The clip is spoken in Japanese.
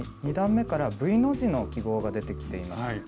２段めからＶの字の記号が出てきています。